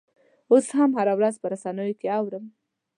اوس هم هره ورځ په رسنیو کې اورو.